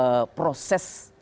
di dalam proses